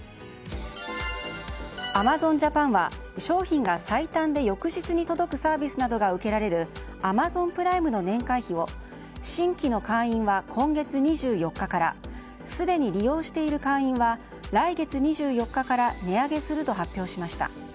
アマゾンジャパンは商品が最短で翌日に届くサービスなどが受けられるＡｍａｚｏｎプライムの年会費を新規の会員は今月２４日からすでに利用している会員は来月２４日から値上げすると発表しました。